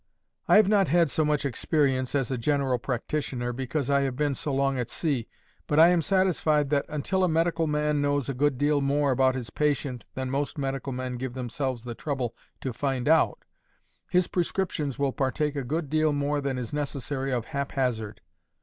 "I have not had so much experience as a general practitioner, because I have been so long at sea. But I am satisfied that until a medical man knows a good deal more about his patient than most medical men give themselves the trouble to find out, his prescriptions will partake a good deal more than is necessary of haphazard.